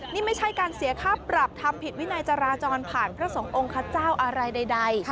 นี่ไม่ใช่การเสียค่าปรับทำผิดวินัยจราจรผ่านพระสงฆ์ขเจ้าอะไรใด